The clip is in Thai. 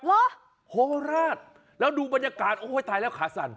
เหรอโคราชแล้วดูบรรยากาศโอ้โหตายแล้วขาสั่น